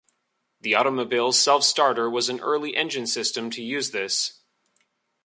The automobile self starter was an early engine system to use this.